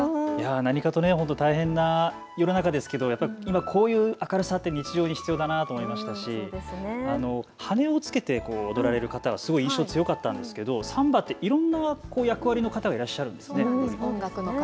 何かと大変な世の中ですけど今こういう明るさって日常に必要だなと思いましたし羽根をつけて踊られる方、すごい印象が強かったんですが、サンバ、いろんな役割の方がいらっしゃるんですね。